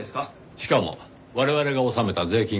しかも我々が納めた税金からですよ。